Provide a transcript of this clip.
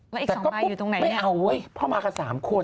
แล้วอีก๒ใบอยู่ตรงไหนเนี่ยไม่เอาเพราะมากับ๓คน